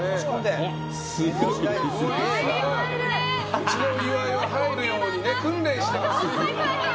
うちの岩井は入るように訓練してます。